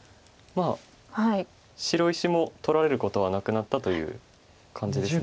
白石も取られることはなくなったという感じです。